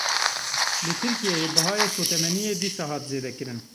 Li Tirkiyeyê bihayê sotemeniyê dîsa hat zêdekirin.